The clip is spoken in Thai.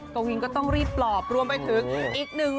กวินก็ต้องรีบปลอบรวมไปถึงอีกหนึ่ง